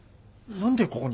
何でここに？